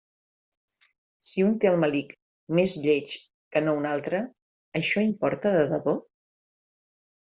Si un té el melic més lleig que no un altre, això importa de debò?